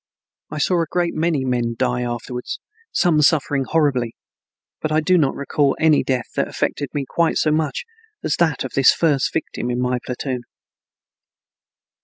I saw a great many men die afterwards, some suffering horribly, but I do not recall any death that affected me quite so much as that of this first victim in my platoon.